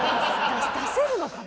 出せるのかな？